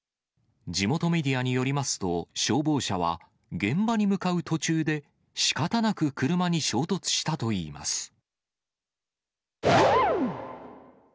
地元メディアによりますと、消防車は、現場に向かう途中で、しかたなく車に衝突したといいます。